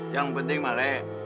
yang penting malek